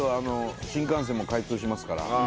新幹線も開通しますからあ